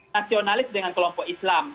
nasionalis dengan kelompok islam